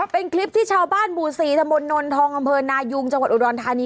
เป็นคลิปที่ชาวบ้านหมู่๔ตะมนต์นนทองอำเภอนายุงจังหวัดอุดรธานี